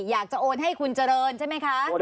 อยากจะโอนให้คุณเจริญใช่ไหมคะ